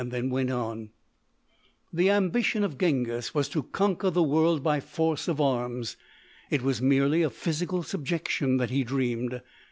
Then went on: "The ambition of Genghis was to conquer the world by force of arms. It was merely of physical subjection that he dreamed.